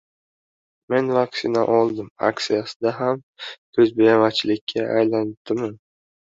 «Men vaksina oldim» aksiyasi ham ko‘zbo‘yamachilikka aylandimi?